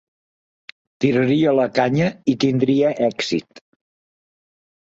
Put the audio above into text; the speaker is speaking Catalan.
Tiraria la canya i tindria èxit.